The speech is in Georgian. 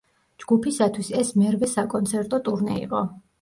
ჯგუფისათვის ეს მერვე საკონცერტო ტურნე იყო.